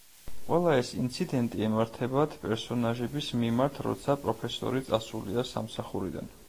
ყველა ეს ინციდენტი ემართებათ პერსონაჟების მიმართ, როცა პროფესორი წასულია სამსახურიდან.